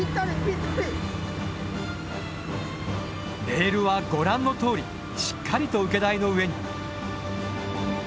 レールはご覧のとおりしっかりと受け台の上に。